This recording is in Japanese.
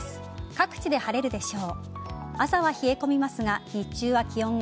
各地で晴れるでしょう。